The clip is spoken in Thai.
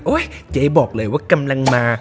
เจ๊บอกเลยว่ากำลังมา